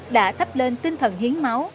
đã thấp lên tinh thần hiến máu